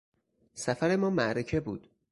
سفر ما معرکه بود.